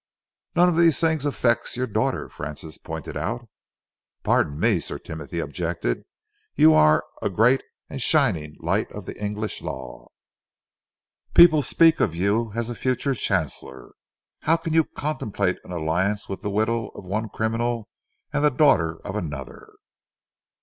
"None of these things affects your daughter," Francis pointed out. "Pardon me," Sir Timothy objected. "You are a great and shining light of the English law. People speak of you as a future Chancellor. How can you contemplate an alliance with the widow of one criminal and the daughter of another?"